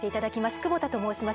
久保田と申します。